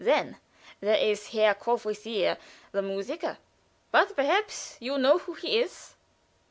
Then there is Herr Courvoisier, the musiker but perhaps you know who he is."